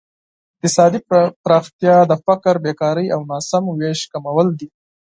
اقتصادي پرمختیا د فقر، بېکارۍ او ناسم ویش کمول دي.